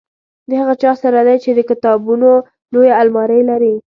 د هغه چا سره دی چې د کتابونو لویه المارۍ لري.